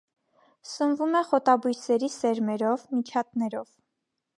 Սնվում է խոտաբույսերի սերմերով, միջատներով։